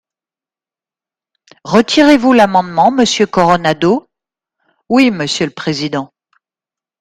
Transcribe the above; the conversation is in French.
Retirez-vous l’amendement, monsieur Coronado ? Oui, monsieur le président.